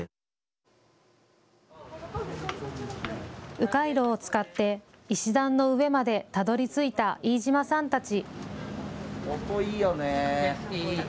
う回路を使って石段の上までたどりついた飯島さんたち。